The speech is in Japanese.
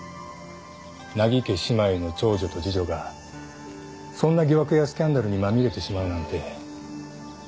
名木家姉妹の長女と次女がそんな疑惑やスキャンダルにまみれてしまうなんて。